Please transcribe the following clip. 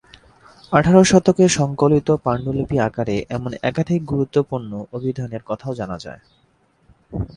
আঠারো শতকে সংকলিত পান্ডুলিপি আকারে এমন একাধিক গুরুত্বপূর্ণ অভিধানের কথাও জানা যায়।